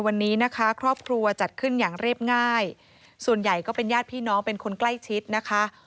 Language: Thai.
วันนี้นะคะครอบครัวจัดขึ้นอย่างเรียบง่ายส่วนใหญ่ก็เป็นญาติพี่น้องเป็นคนใกล้ชิดนะคะ